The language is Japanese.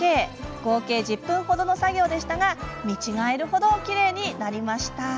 合計１０分程の作業でしたが見違える程きれいになりました。